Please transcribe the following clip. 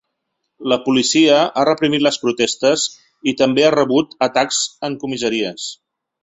La policia ha reprimit les protestes i també ha rebut atacs en comissaries.